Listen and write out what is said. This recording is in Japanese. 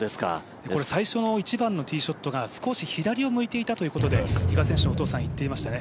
最初の１番のティーショットが少し左を向いていたということで比嘉選手のお父さん言ってましたね。